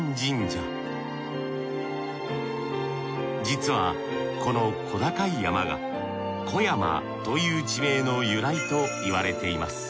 実はこの小高い山が「小山」という地名の由来といわれています。